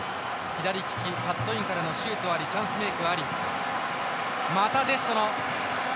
左利きカットインからのシュートありチャンスメイクあり。